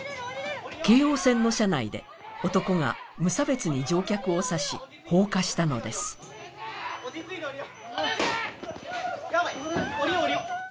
京王線の車内で男が無差別に乗客を刺し放火したのです・